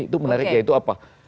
itu menarik yaitu apa